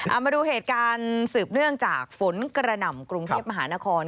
เอามาดูเหตุการณ์สืบเนื่องจากฝนกระหน่ำกรุงเทพมหานคร